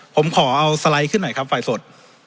ผมขอเอาสไลด์ขึ้นหน่อยครับไฟสด